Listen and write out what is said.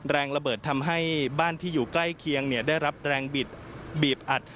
แรงระเบิดทำให้บ้านที่อยู่ใกล้เคียงได้รับแรงบีบอัด